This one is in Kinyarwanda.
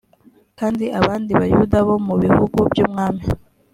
kandi abandi bayuda bo mu bihugu by umwami